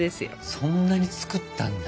そんなに作ったんだ。